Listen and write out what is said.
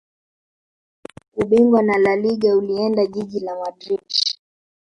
Ubingwa wa laliga ulienda jiji la madrid